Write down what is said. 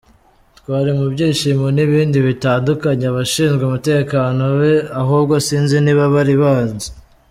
Twari mu byishimo n’ibindi bitandukanye, abashinzwe umutekano be ahubwo sinzi niba bari banzi.